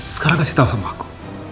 sekarang kasih tahu sama aku